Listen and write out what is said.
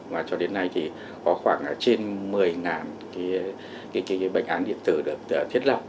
và cho đến nay thì có khoảng trên một mươi cái bệnh án điện tử được thiết lập